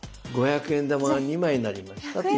５００円玉が２枚になりましたと。